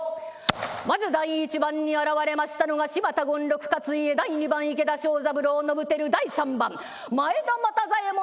まず第１番に現れましたのが柴田権六勝家第２番池田勝三郎信輝第３番前田又左衛門